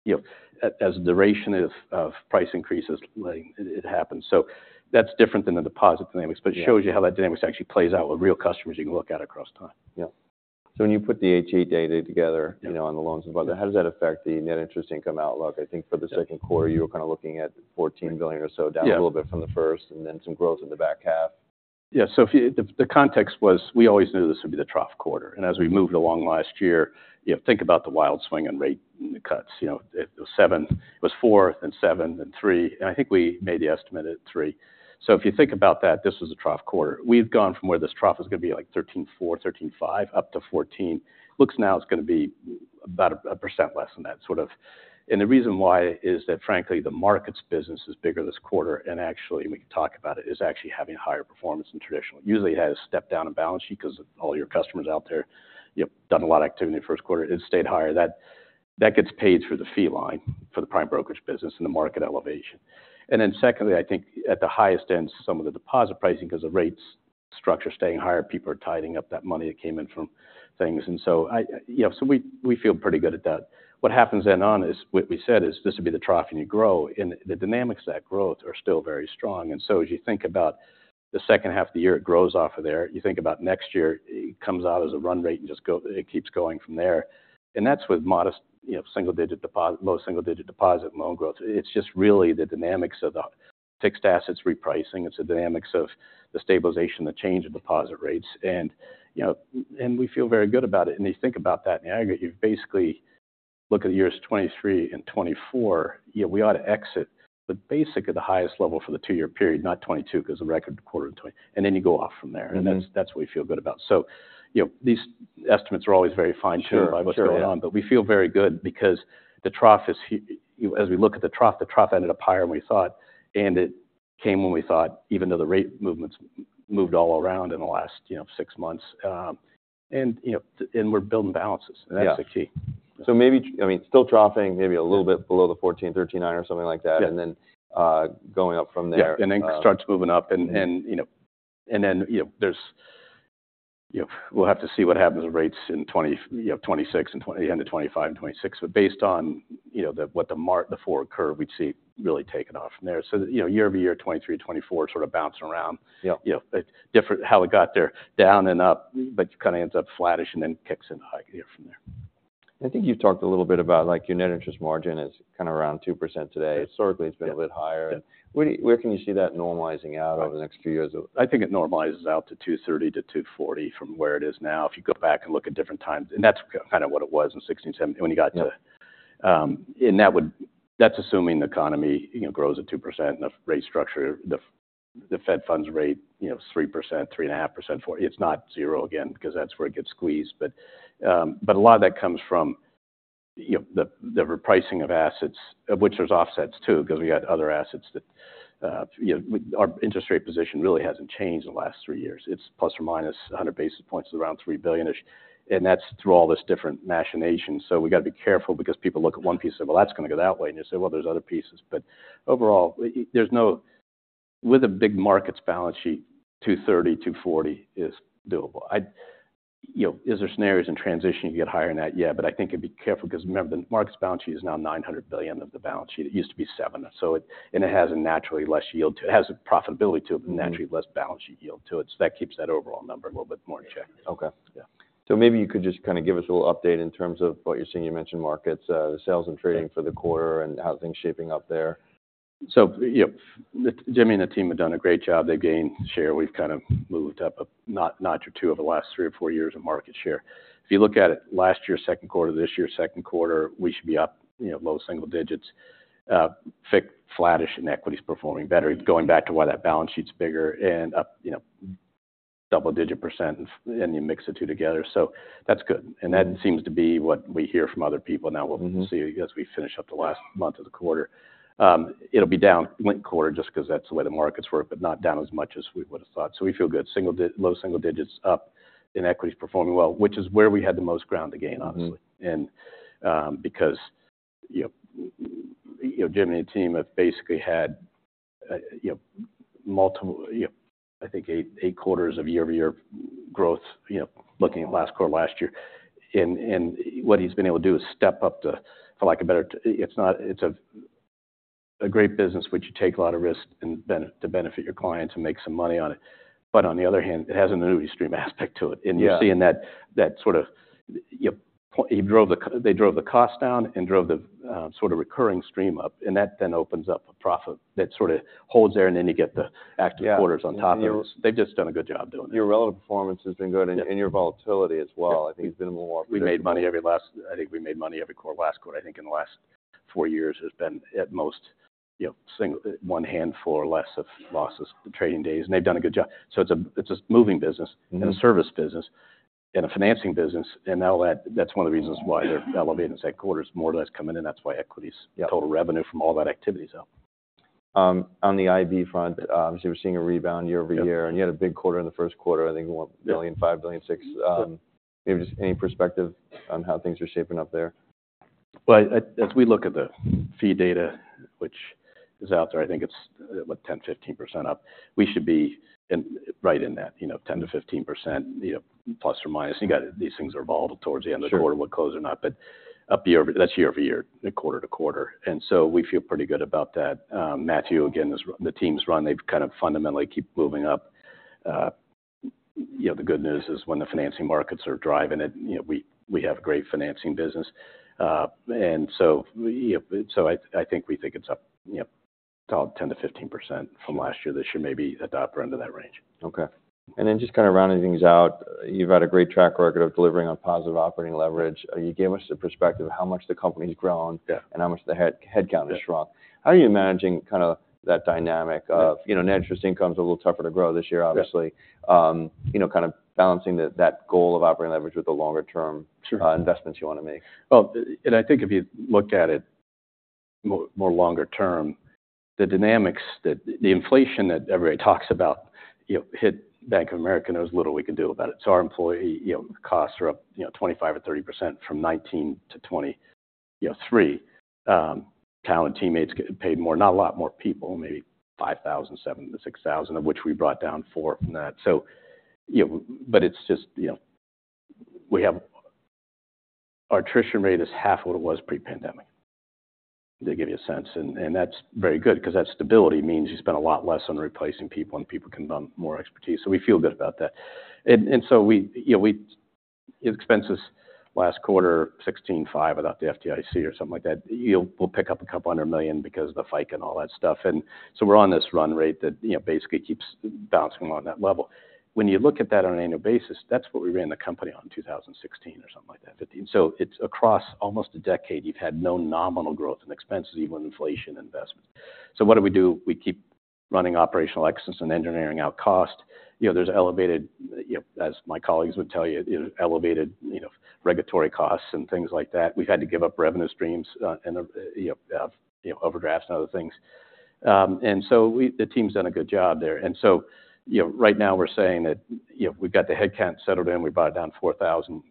you know, as the duration of, of price increases, letting it happen. So that's different than the deposit dynamics. But it shows you how that dynamics actually plays out with real customers you can look at across time. Yeah. So when you put the HE data together. You know, on the loans and whatnot, how does that affect the net interest income outlook? I think for the second quarter, you were kind of looking at $14 billion or so down a little bit from the first, and then some growth in the back half. Yeah. So the context was we always knew this would be the trough quarter. And as we moved along last year, you know, think about the wild swing and rate and the cuts. You know, it was seven, it was four, then seven, then three, and I think we made the estimate at three. So if you think about that, this was a trough quarter. We've gone from where this trough is gonna be like 13.4, 13.5, up to 14. Looks now it's gonna be about 1% less than that, sort of. And the reason why is that, frankly, the markets business is bigger this quarter, and actually, we can talk about it, is actually having higher performance than traditional. Usually, it has a step down in balance sheet because of all your customers out there, you've done a lot of activity in the first quarter. It stayed higher. That, that gets paid through the fee line for the prime brokerage business and the market elevation. And then secondly, I think at the highest end, some of the deposit pricing, 'cause the rates structure staying higher, people are tidying up that money that came in from things. And so... so we, we feel pretty good at that. What happens then on is, what we said is this would be the trough and you grow, and the dynamics of that growth are still very strong. And so as you think about the second half of the year, it grows off of there. You think about next year. It comes out as a run rate and just go - it keeps going from there. And that's with modest, you know, single digit deposit - low single digit deposit and loan growth. It's just really the dynamics of the fixed assets repricing. It's the dynamics of the stabilization, the change in deposit rates. And, you know, and we feel very good about it. And you think about that, in the aggregate, you basically look at the years 2023 and 2024, you know. We ought to exit, but basically the highest level for the two-year period, not 2022, because the record quarter in 2022 and then you go off from there. That's what we feel good about. You know, these estimates are always very fine-tuned by what's going on. But we feel very good because the trough, you know, as we look at the trough, the trough ended up higher than we thought, and it came when we thought, even though the rate movements moved all around in the last, you know, six months. And, you know, and we're building balances. That's the key. So maybe, I mean, still dropping maybe a little bit below the 14, 13.9 or something like that and then, going up from there. Yeah, and then starts moving up, and you know... And then, you know, there's, you know, we'll have to see what happens with rates in 2025, you know, 2026 and the end of 2025 and 2026. But based on, you know, the, what the forward curve, we'd see it really taking off from there. So, you know, year over year, 2023, 2024 sort of bouncing around. You know, different how it got there, down and up, but kind of ends up flattish and then kicks in high gear from there. I think you've talked a little bit about, like, your net interest margin is kind of around 2% today. Historically, it's been a bit higher. Where can you see that normalizing out over the next few years? I think it normalizes out to 2.30-2.40 from where it is now. If you go back and look at different times, and that's kind of what it was in 2016, 2017 when you got to and that would that's assuming the economy, you know, grows at 2% and the rate structure, the, the Fed funds rate, you know, 3%, 3.5%, 4%. It's not 0% again, because that's where it gets squeezed. But, but a lot of that comes from, you know, the, the repricing of assets, of which there's offsets too, because we got other assets that, you know, our interest rate position really hasn't changed in the last three years. It's plus or minus 100 basis points around $3 billion-ish, and that's through all these different machinations. So we've got to be careful because people look at one piece and say, "Well, that's gonna go that way." And you say, "Well, there's other pieces." But overall, there's no—with a big markets balance sheet, 230, 240 is doable. You know, is there scenarios in transition you get higher than that? Yeah, but I think you'd be careful because remember, the Markets balance sheet is now $900 billion of the balance sheet. It used to be $700 billion. So it... And it has a naturally less yield to it. It has a profitability to it but naturally less balance sheet yield to it, so that keeps that overall number a little bit more in check. Okay. Yeah. Maybe you could just kind of give us a little update in terms of what you're seeing. You mentioned markets, the Sales and Trading for the quarter and how things are shaping up there. So, you know, Jimmy and the team have done a great job. They've gained share. We've kind of moved up a notch or two over the last three or four years in market share. If you look at it, last year, second quarter, this year, second quarter, we should be up, you know, low single digits, tick, flattish, and equities performing better, going back to why that balance sheet's bigger and up, you know, double-digit %, and then you mix the two together. So that's good. That seems to be what we hear from other people. Now, we'll see, as we finish up the last month of the quarter. It'll be down linked quarter, just because that's the way the markets work, but not down as much as we would have thought. So we feel good. Low single digits up, and equities performing well, which is where we had the most ground to gain, obviously. Because, you know, Jimmy and the team have basically had, you know, multiple, you know, I think eight quarters of year-over-year growth, you know, looking at last quarter, last year. And what he's been able to do is step up the, for lack of a better... It's not, it's a great business, which you take a lot of risk and benefit your clients and make some money on it. But on the other hand, it has an annuity stream aspect to it. And you're seeing that, that sort of. He drove the -- they drove the cost down and drove the sort of recurring stream up, and that then opens up a profit that sort of holds there, and then you get the active quarters on top of it. They've just done a good job doing it. Your relative performance has been good, and... and your volatility as well. I think it's been more- We made money every last. I think we made money every quarter, last quarter. I think in the last four years has been at most, you know, one handful or less of losses, the trading days, and they've done a good job. So it's a, it's a moving business and a service business, and a financing business, and all that, that's one of the reasons why they're elevating. It's like quarters more or less coming in, that's why Equities total revenue from all that activity is up. On the IB front, obviously, we're seeing a rebound year-over-year. You had a big quarter in the first quarter, I think, what? $1.5 million, $1.6 million. Maybe just any perspective on how things are shaping up there? Well, as we look at the fee data, which is out there, I think it's, what, 10-15% up. We should be right in that, you know, 10%-15%, you know, plus or minus. You got these things are evolved towards the end of the quarter, whether close or not, but up year-over-year—that's year-over-year, quarter-to-quarter. And so we feel pretty good about that. Matthew, again, is the teams run, they've kind of fundamentally keep moving up. You know, the good news is when the financing markets are driving it, you know, we, we have great financing business. And so, yeah, so I, I think we think it's up, you know, about 10%-15% from last year. This year, maybe at the upper end of that range. Okay. And then just kind of rounding things out, you've had a great track record of delivering on positive operating leverage. You gave us a perspective of how much the company's grown and how much the headcount has shrunk. How are you managing kind of that dynamic of you know, net interest income is a little tougher to grow this year, obviously. You know, kind of balancing that goal of operating leverage with the longer term investments you want to make? Well, and I think if you looked at it more longer term, the dynamics that the inflation that everybody talks about, you know, hit Bank of America, there was little we could do about it. So our employee, you know, costs are up, you know, 25% or 30% from 2019 to 2023. Talent teammates get paid more, not a lot more people, maybe 5,000 to 7,000 to 6,000, of which we brought down 4,000 from that. So, you know, but it's just, you know, we have our attrition rate is half what it was pre-pandemic, to give you a sense, and, and that's very good because that stability means you spend a lot less on replacing people, and people can bump more expertise. So we feel good about that. So, you know, we expenses last quarter $16.5 billion without the FDIC or something like that. We'll pick up $200 million because of the FICA and all that stuff. So we're on this run rate that, you know, basically keeps bouncing along that level. When you look at that on an annual basis, that's what we ran the company on in 2016 or something like that, 2015. So it's across almost a decade, you've had no nominal growth in expenses, even inflation investments. So what do we do? We keep running operational excellence and engineering out cost. You know, there's elevated, you know, as my colleagues would tell you, you know, elevated, you know, regulatory costs and things like that. We've had to give up revenue streams, and, you know, overdrafts and other things. The team's done a good job there. So, you know, right now we're saying that, you know, we've got the headcount settled in. We brought it down 4,000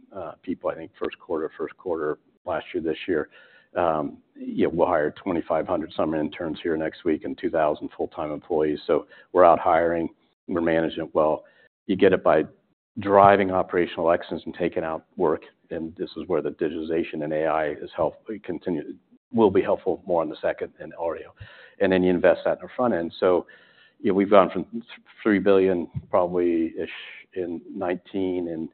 people, I think, first quarter last year, this year. Yeah, we'll hire 2,500 summer interns here next week and 2,000 full-time employees. So we're out hiring, we're managing it well. You get it by driving operational excellence and taking out work, and this is where the digitization and AI has helped continue will be helpful more on the second and Oreo. And then you invest that in the front end. So, you know, we've gone from $3 billion, probably-ish, in 2019 in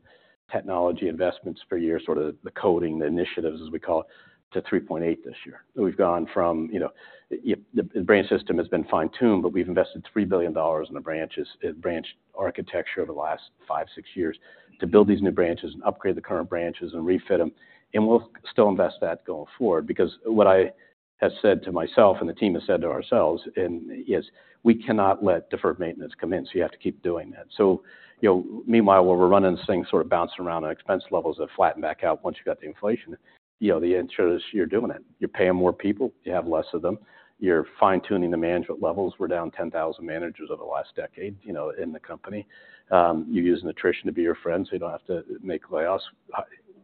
technology investments per year, sort of the coding, the initiatives, as we call it, to $3.8 billion this year. We've gone from, you know, yep, the branch system has been fine-tuned, but we've invested $3 billion in the branches, branch architecture over the last five to six years to build these new branches and upgrade the current branches and refit them. And we'll still invest that going forward because what I have said to myself and the team has said to ourselves, and is, we cannot let deferred maintenance come in, so you have to keep doing that. So, you know, meanwhile, while we're running this thing sort of bouncing around on expense levels that flatten back out once you've got the inflation, you know, the answer is you're doing it. You're paying more people, you have less of them. You're fine-tuning the management levels. We're down 10,000 managers over the last decade, you know, in the company. You're using attrition to be your friend, so you don't have to make layoffs.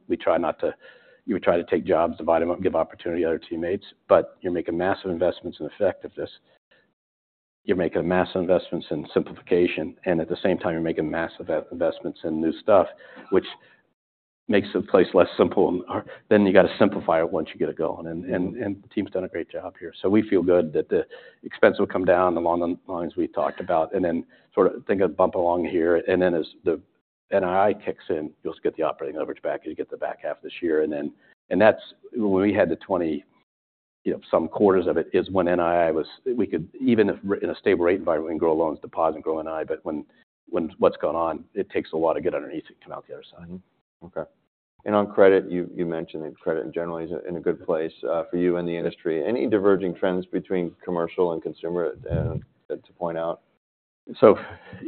We try not to—you try to take jobs, divide them up, give opportunity to other teammates, but you're making massive investments in effectiveness. You're making massive investments in simplification, and at the same time, you're making massive investments in new stuff, which makes the place less simple. And then you got to simplify it once you get it going. And the team's done a great job here. So we feel good that the expense will come down along the lines we talked about, and then sort of think of bump along here. And then as the NII kicks in, you'll get the operating leverage back as you get the back half this year. And then—and that's when we had the 20, you know, some quarters of it, is when NII was—we could even if—in a stable rate environment, we can grow loans, deposit, and grow NII. But when, when what's going on, it takes a lot to get underneath it to come out the other side. Okay. And on credit, you, you mentioned that credit generally is in a good place, for you and the industry. Any diverging trends between commercial and consumer, to point out? So,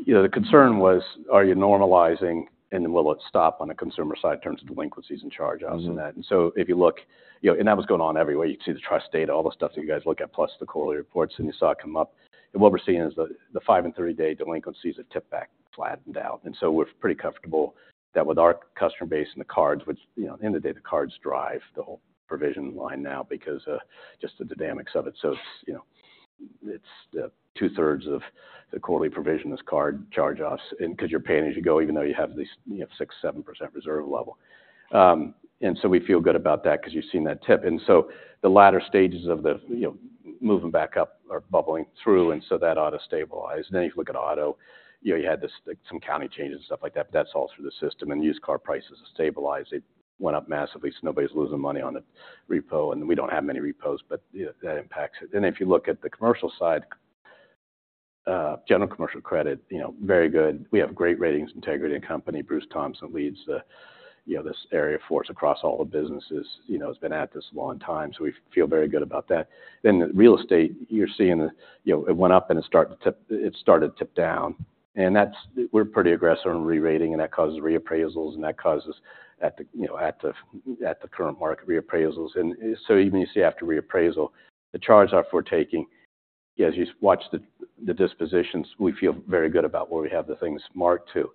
you know, the concern was, are you normalizing, and will it stop on the consumer side in terms of delinquencies and charge-offs and that? And so if you look. You know, and that was going on everywhere. You'd see the trust data, all the stuff that you guys look at, plus the quarterly reports, and you saw it come up. And what we're seeing is the five and 30-day delinquencies have tipped back, flattened out. And so we're pretty comfortable that with our customer base and the cards, which, you know, in the day, the cards drive the whole provision line now because just the dynamics of it. So, you know, it's 2/3 of the quarterly provision is card charge-offs, and because you're paying as you go, even though you have these, you know, 6%-7% reserve level. And so we feel good about that because you've seen that tip. And so the latter stages of the, you know moving back up or bubbling through, and so that ought to stabilize. Then you look at auto, you know, you had this, like, some COVID changes and stuff like that, but that's all through the system, and used car prices have stabilized. It went up massively, so nobody's losing money on the repo, and we don't have many repos, but, yeah, that impacts it. Then if you look at the commercial side, general commercial credit, you know, very good. We have great ratings, integrity, and company. Bruce Thompson leads the, you know, this area force across all the businesses. You know, he's been at this a long time, so we feel very good about that. Then the real estate, you're seeing the, you know, it went up and it started to tip down. And that's, we're pretty aggressive on re-rating, and that causes reappraisals, and that causes, you know, at the current market, reappraisals. And so even you see, after reappraisal, the charge-off we're taking, as you watch the dispositions, we feel very good about where we have the things marked to.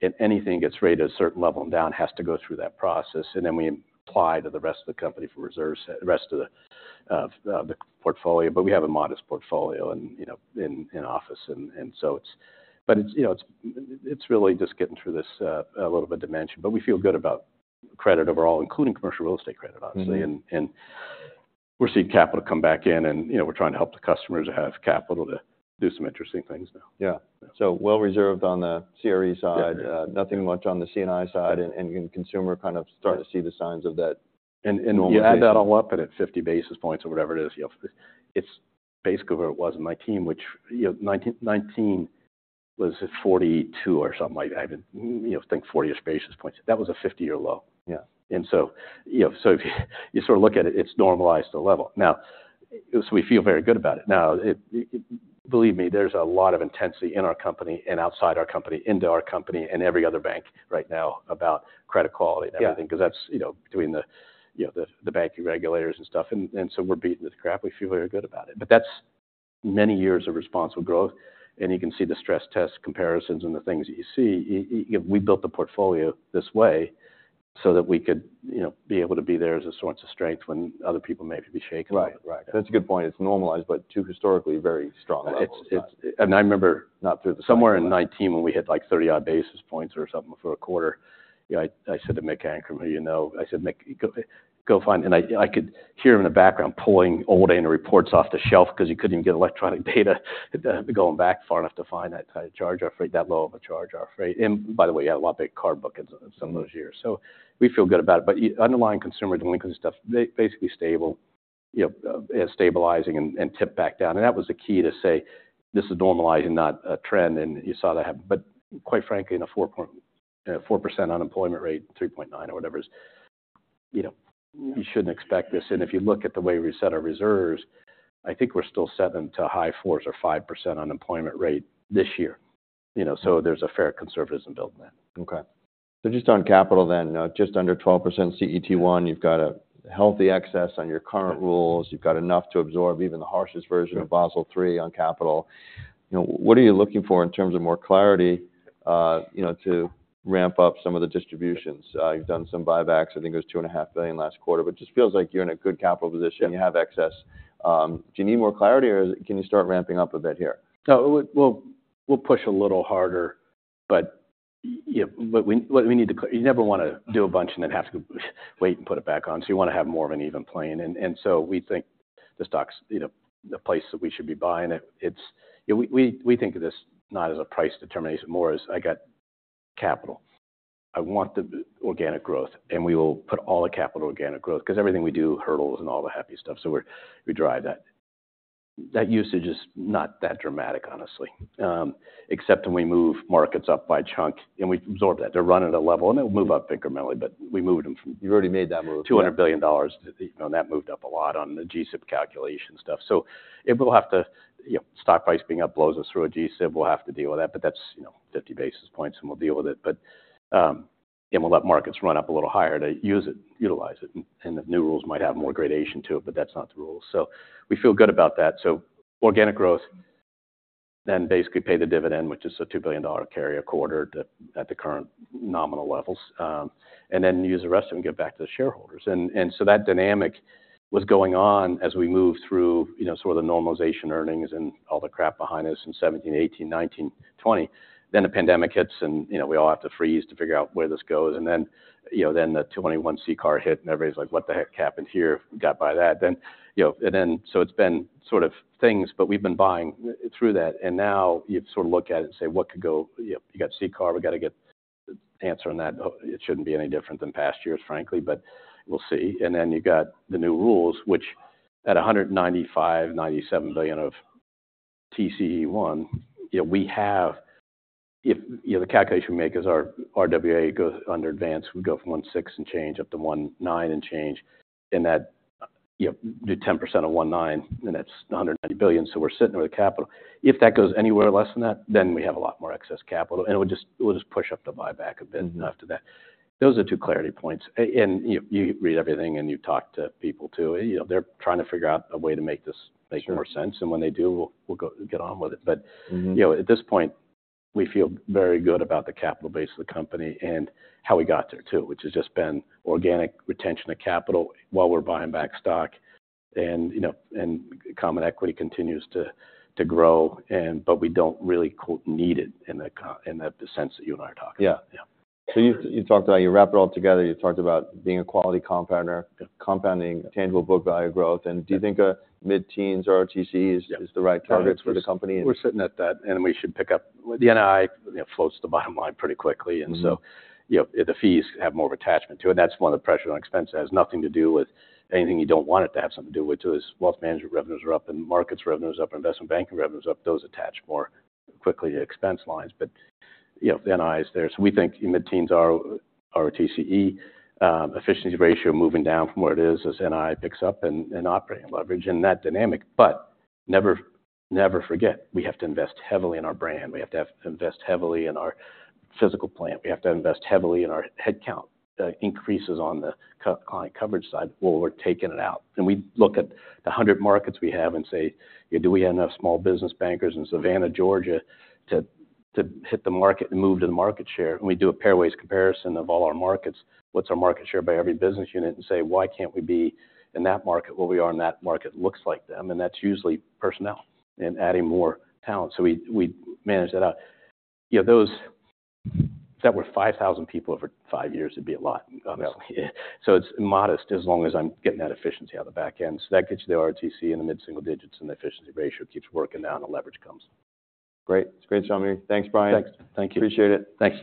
If anything gets rated a certain level and down, has to go through that process, and then we apply to the rest of the company for reserves, the rest of the portfolio. But we have a modest portfolio and, you know, in office, and so it's. But it's, you know, it's really just getting through this a little bit dimension. But we feel good about credit overall, including commercial real estate credit, obviously and we're seeing capital come back in and, you know, we're trying to help the customers have capital to do some interesting things now. Yeah. So well reserved on the CRE side nothing much on the C&I side, and consumer kind of starting to see the signs of that. And, and- You add that all up, and at 50 basis points or whatever it is, you know, it's basically where it was, and my team, which, you know, 2019 was at 42 or something like that, you know, I think fortyish basis points. That was a 50-year low. So, you know, so you sort of look at it, it's normalized to level. Now, so we feel very good about it. Now, it—believe me, there's a lot of intensity in our company and outside our company, into our company and every other bank right now about credit quality and everything. Because that's, you know, between the, you know, the banking regulators and stuff, and so we're beating the crap. We feel very good about it. But that's many years of responsible growth, and you can see the stress test comparisons and the things that you see. You know, we built the portfolio this way so that we could, you know, be able to be there as a source of strength when other people may be shaken by it. Right. Right. That's a good point. It's normalized, but, too, historically, very strong levels. I remember, somewhere in 2019 when we hit, like, 30-odd basis points or something for a quarter, you know, I said to Mick Ankrom, who you know, I said, "Mick, go find..." And I could hear him in the background pulling old annual reports off the shelf because you couldn't even get electronic data, you had to go back far enough to find that type of charge-off rate, that low of a charge-off rate. And by the way, he had a lot bigger card book in some of those years. So we feel good about it. But underlying consumer delinquency stuff, basically stable, you know, stabilizing and ticking back down. And that was the key to say, this is normalizing, not a trend, and you saw that happen. But quite frankly, in a 4.4% unemployment rate, 3.9% or whatever it is, you know, you shouldn't expect this. And if you look at the way we set our reserves, I think we're still 7%-high 4s or 5% unemployment rate this year, you know, so there's a fair conservatism built in that. Okay. So just on capital then, just under 12% CET1, you've got a healthy excess on your current rules. You've got enough to absorb even the harshest version of Basel III on capital. You know, what are you looking for in terms of more clarity, you know, to ramp up some of the distributions? You've done some buybacks. I think it was $2.5 billion last quarter, but it just feels like you're in a good capital position. You have excess. Do you need more clarity, or can you start ramping up a bit here? So we'll push a little harder, but yeah, what we need to do is you never wanna do a bunch and then have to wait and put it back on, so you wanna have more of an even plane. And so we think the stock's, you know, the place that we should be buying it. It's you know, we think of this not as a price determination, more as, I got capital. I want the organic growth, and we will put all the capital organic growth, because everything we do, hurdles and all the happy stuff, so we drive that. That usage is not that dramatic, honestly. Except when we move markets up by chunk, and we absorb that. They're running at a level, and it'll move up incrementally, but we moved them from- You've already made that move. $200 billion, you know, that moved up a lot on the GSIB calculation stuff. So if we'll have to, you know, stock price being up blows us through a GSIB, we'll have to deal with that, but that's, you know, 50 basis points, and we'll deal with it. But, and we'll let markets run up a little higher to use it, utilize it, and the new rules might have more gradation to it, but that's not the rule. So we feel good about that. So organic growth, then basically pay the dividend, which is a $2 billion carry a quarter at, at the current nominal levels, and then use the rest of it and give back to the shareholders. And so that dynamic was going on as we moved through, you know, sort of the normalization earnings and all the crap behind us in 2017, 2018, 2019, 2020. Then the pandemic hits, and, you know, we all have to freeze to figure out where this goes. And then, you know, then the 2021 CCAR hit, and everybody's like: What the heck happened here? Got by that. Then, you know, and then, so it's been sort of things, but we've been buying through that, and now you sort of look at it and say: What could go... You know, you got CCAR, we got to get the answer on that. It shouldn't be any different than past years, frankly, but we'll see. And then you've got the new rules, which at $195 billion-$197 billion of CET1, you know, we have—if, you know, the calculation we make is our RWA goes under advance, we go from 16% and change up to 19% and change, and that, you know, do 10% of 19, and that's $190 billion. So we're sitting with the capital. If that goes anywhere less than that, then we have a lot more excess capital, and it would just, we'll just push up the buyback a bit after that. Those are two clarity points. And you read everything and you talk to people, too. You know, they're trying to figure out a way to make this make more sense. When they do, we'll go get on with it. But, you know, at this point, we feel very good about the capital base of the company and how we got there, too, which has just been organic retention of capital while we're buying back stock. And, you know, common equity continues to grow, but we don't really, quote, "need it" in the sense that you and I are talking about. Yeah. Yeah. So you, you talked about, you wrap it all together, you talked about being a quality compounder-Yeah... compounding tangible book value growth. Do you think a mid-teens ROTCE is the right target for the company? We're sitting at that, and we should pick up. The NII, you know, floats to the bottom line pretty quickly and so, you know, the fees have more of attachment to it, and that's one of the pressure on expenses. It has nothing to do with anything you don't want it to have something to do with, too. As wealth management revenues are up, and markets revenues up, and investment banking revenues up, those attach more quickly to expense lines. But, you know, the NII is there. So we think mid-teens ROTCE, efficiency ratio moving down from where it is as NII picks up, and operating leverage, and that dynamic. But never, never forget, we have to invest heavily in our brand. We have to invest heavily in our physical plant. We have to invest heavily in our headcount increases on the client coverage side where we're taking it out. We look at the 100 markets we have and say: Do we have enough small business bankers in Savannah, Georgia, to hit the market and move to the market share? And we do a pairwise comparison of all our markets. What's our market share by every business unit? And say: Why can't we be in that market where we are, and that market looks like them? And that's usually personnel and adding more talent, so we manage that out. You know, that were 5,000 people over five years, it'd be a lot, obviously. It's modest as long as I'm getting that efficiency on the back end. So that gets you the ROTCE in the mid-single digits, and the efficiency ratio keeps working down. The leverage comes. Great. It's great talking to you. Thanks, Brian. Thanks. Thank you. Appreciate it. Thanks.